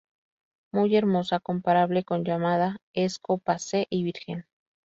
Muy hermosa, comparable con Yamada, es copa C y virgen.